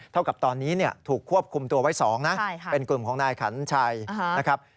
เท่ากับตอนนี้ถูกควบคุมตัวไว้๒นะเป็นกลุ่มของนายขันชัยนะครับ